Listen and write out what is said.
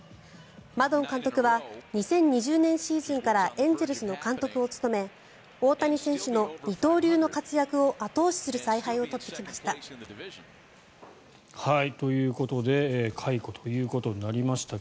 マドン監督は２０２０年シーズンからエンゼルスの監督を務め大谷選手の二刀流の活躍を後押しする采配を取ってきました。